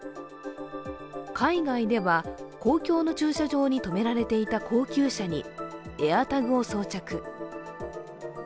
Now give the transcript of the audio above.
海外では、公共の駐車場に止められていた高級車にＡｉｒＴａｇを装着。